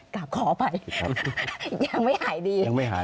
กลับขอไป